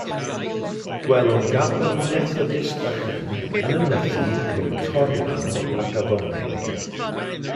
Gwelwn gapel Methodist bychan yn ymnythu rhwng torlan ac afonig.